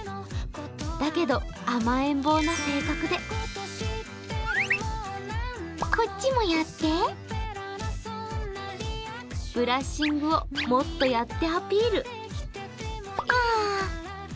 だけど、甘えん坊な性格でブラッシングをもっとやってアピール。